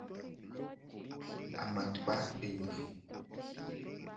Amakpa ene.